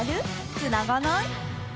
つながない？